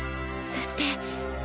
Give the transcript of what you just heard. そして。